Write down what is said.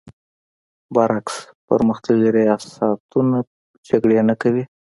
برعکس پر مختللي ریاستونه جګړې نه کوي.